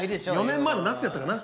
４年前の夏やったかな。